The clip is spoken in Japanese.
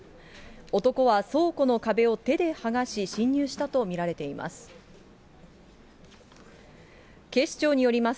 男は倉庫の壁を手で剥がし、侵入したと見られています。